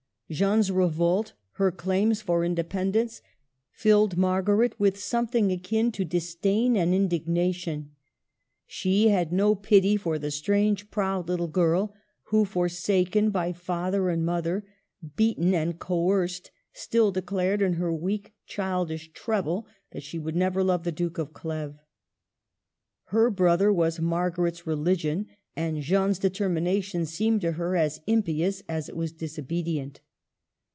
Jeanne's revolt, her claims for inde pendence, filled Margaret with something akin to disdain and indignation. She had no pity for the strange, proud little girl who, forsaken by father and mother, beaten and coerced, still declared in her weak childish treble that she would never love the Duke of Cleves. Her brother was Margaret's religion ; and Jeanne's determination seemed to her as impious as it was disobedient.